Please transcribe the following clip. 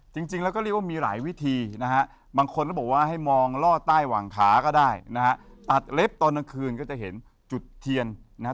จริงแล้วก็เรียกว่ามีหลายวิธีนะฮะบางคนก็บอกว่าให้มองล่อใต้หวังขาก็ได้นะฮะตัดเล็บตอนกลางคืนก็จะเห็นจุดเทียนนะฮะ